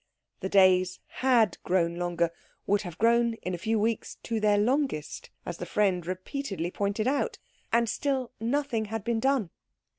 The days had grown longer, would have grown in a few weeks to their longest, as the friend repeatedly pointed out, and still nothing had been done.